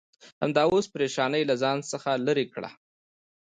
همدا اوس پرېشانۍ له ځان څخه لرې کړه.